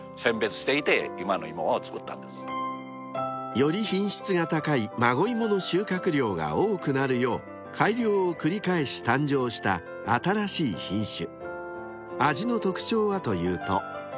［より品質が高い孫芋の収穫量が多くなるよう改良を繰り返し誕生した新しい品種］